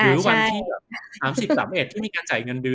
หรือวันที่๓๐๓๑ที่มีการจ่ายเงินเดือน